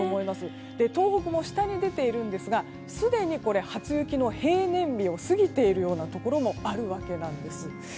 東北も下に出ていますが既に初雪の平年日を過ぎているようなところもあるわけです。